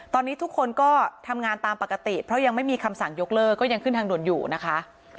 ตอนนี้ทุกคนก็ทำงานตามปกติเพราะยังไม่มีคำสั่งยกเลิกก็ยังขึ้นทางด่วนอยู่นะคะ